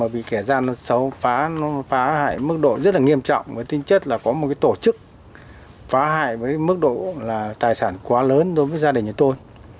vì kẻ xấu phá hại mức độ rất nghiêm trọng tính chất là có một tổ chức phá hại mức độ tài sản quá lớn đối với gia đình tôi